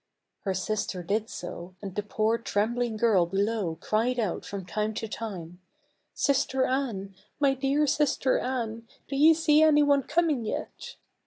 Her sister did so, and the poor trembling girl below cried out from time to time, " Sister Anne, my dear sister Anne, do you see any one coming yet